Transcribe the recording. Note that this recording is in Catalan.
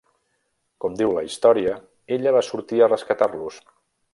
Com diu la història, ella va sortir a rescatar-los.